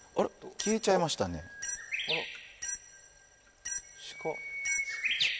消えちゃいましたね鹿